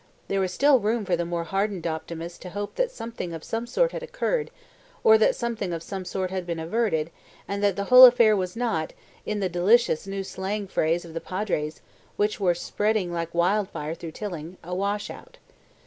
There was still room for the more hardened optimist to hope that something of some sort had occurred, or that something of some sort had been averted, and that the whole affair was not, in the delicious new slang phrase of the Padre's, which was spreading like wildfire through Tilling, a "washout".